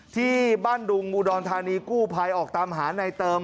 ที่บ้านดุงอุดรธานีกู้ภัยออกตามหาในเติม